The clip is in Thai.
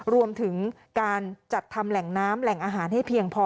รวมถึงการจัดทำแหล่งน้ำแหล่งอาหารให้เพียงพอ